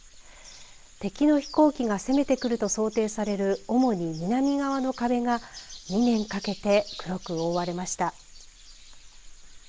敵の飛行機が攻めてくると想定される主に南側の壁が２年かけて黒く覆われました。